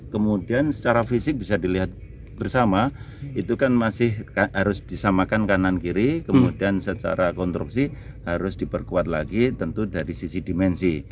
kemudian secara fisik bisa dilihat bersama itu kan masih harus disamakan kanan kiri kemudian secara konstruksi harus diperkuat lagi tentu dari sisi dimensi